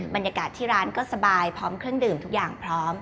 บรรยากาศที่ร้านก็สบายพร้อมเครื่องดื่มทุกอย่างพร้อม